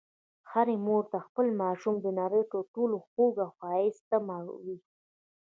هرې مور ته خپل ماشوم د نړۍ تر ټولو خوږ او ښایسته وي.